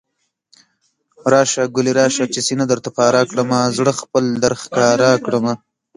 راشه ګلي راشه، چې سينه درته پاره کړمه، زړه خپل درښکاره کړمه